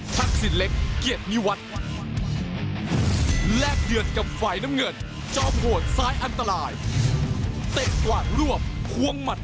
ทักษินเล็กเกียรติวัฒน์ครับจากศึกวันทรงไทย